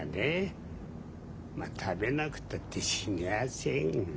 まっ食べなくったって死にゃあせん。